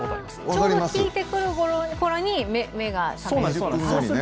ちょうど効いてくるころに、目が覚める。